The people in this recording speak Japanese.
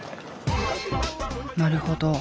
なるほど。